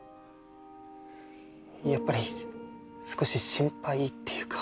やっぱり少し心配っていうか。